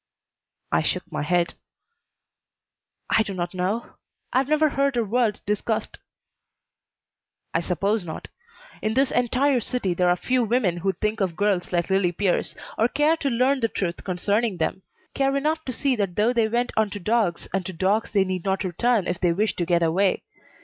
I shook my head. "I do not know. I've never heard her world discussed." "I suppose not. In this entire city there are few women who think of girls like Lillie Pierce, or care to learn the truth concerning them; care enough to see that though they went unto dogs, unto dogs they need not return if they wish to get away.